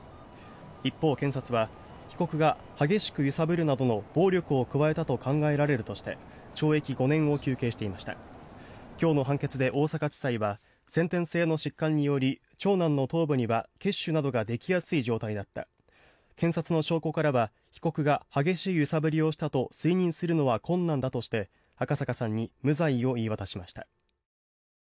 一方、検察は被告が激しく揺さぶるなどの暴力を加えたと考えられるとして懲役５年を求刑していました。今日の判決で大阪地裁は先天性の疾患により長男の頭部には血腫などができやすい状態だった検察の証拠からは被告が激しい揺さぶりをしたと推認するのは困難だとして、赤阪さんに無罪を言い渡しました。